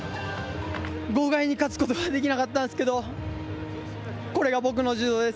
豪快に勝つことができなかったんですけどこれが僕の柔道です。